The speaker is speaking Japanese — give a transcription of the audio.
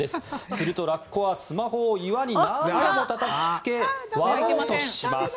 するとラッコはスマホを岩に何度もたたきつけ割ろうとします。